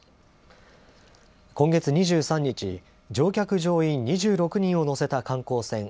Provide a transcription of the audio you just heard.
今月２３日、乗客・乗員２６人を乗せた観光船